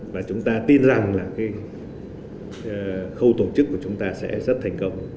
và chúng ta tin rằng là khâu tổ chức của chúng ta sẽ rất thành công